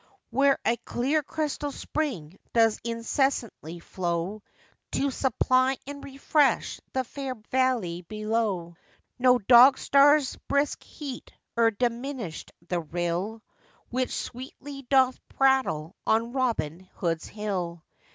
Where a clear crystal spring does incessantly flow, To supply and refresh the fair valley below; No dog star's brisk heat e'er diminished the rill Which sweetly doth prattle on 'Robin Hood's Hill.